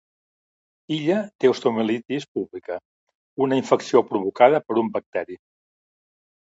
Illa té osteomielitis púbica, una infecció provocada per un bacteri.